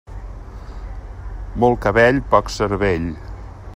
Molt cabell, poc cervell.